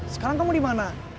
sekarang kamu dimana